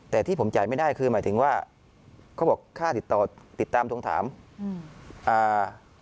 แต่ที่ผมจ่ายไม่ได้คือหมายถึงว่าเขาบอกค่าติดต่อติดตามทวงถามอืมอ่า